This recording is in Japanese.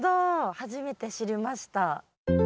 初めて知りました。